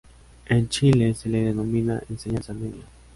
En Chile se le denomina enseñanza media.